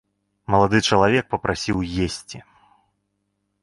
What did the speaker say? Малады чалавек папрасіў есці.